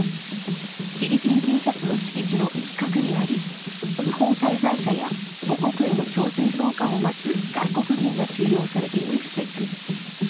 フィリピン警察の敷地の一角にあり不法滞在者や母国への強制送還を待つ外国人が収容されている施設。